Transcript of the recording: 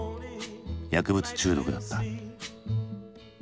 薬物中毒だった。